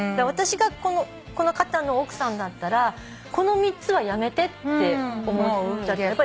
私がこの方の奥さんだったらこの３つはやめてって思っちゃう。